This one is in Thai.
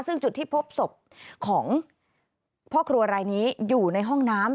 ซึ่งจุดที่พบศพของพ่อครัวรายนี้อยู่ในห้องน้ำ